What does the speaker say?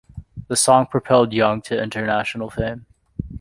The song propelled Young to international fame.